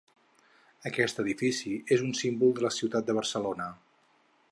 Aquest edifici és un símbol de la ciutat de Barcelona.